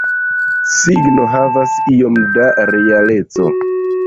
Signo havas iom da realeco.